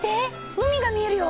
海が見えるよ。